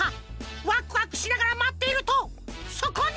ワクワクしながらまっているとそこに！